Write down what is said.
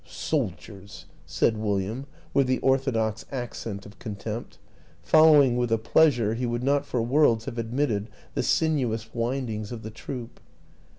" Soldiers," said William, with the orthodox accent of contempt following with a pleasure he would not for worlds have admitted the sin uous windings of the troop.